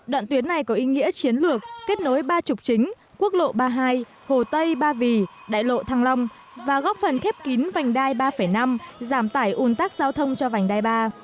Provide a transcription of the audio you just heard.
đoạn tuyến này có ý nghĩa chiến lược kết nối ba trục chính quốc lộ ba mươi hai hồ tây ba vì đại lộ thăng long và góp phần khép kín vành đai ba năm giảm tải un tắc giao thông cho vành đai ba